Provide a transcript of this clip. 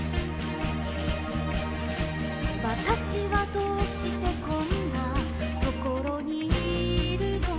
「わたしはどうしてこんなところにいるの」